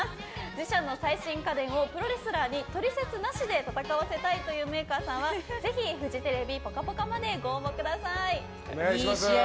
自社の最新家電をプロレスラーに取説なしで戦わせたいというメーカーさんはぜひ、フジテレビ「ぽかぽか」までお寄せください。